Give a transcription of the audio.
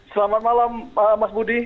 selamat malam mas budi